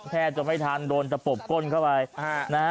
แทบจะไม่ทันโดนตะปบก้นเข้าไปนะฮะ